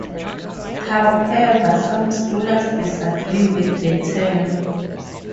However, some scholars disagree with the term.